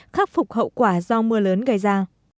khắc phục hậu quả do mưa lớn gây ra